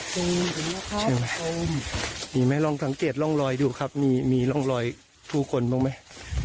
ตรงนี้มีไหมลองสังเกตร่องรอยดูครับมีมีร่องรอยผู้คนบ้างไหม